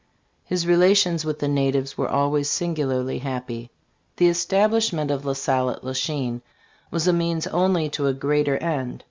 His relations with the natives were always singularly happy. The establishment of La Salle at La Chine was a means only to a great er end.